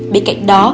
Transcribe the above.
bên cạnh đó